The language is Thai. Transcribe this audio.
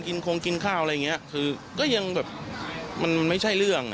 คงกินข้าวอะไรอย่างนี้คือก็ยังแบบมันไม่ใช่เรื่องอ่ะ